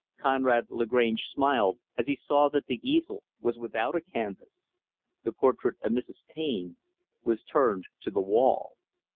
Conrad Lagrange smiled as he saw that the easel was without a canvas. The portrait of Mrs. Taine was turned to the wall.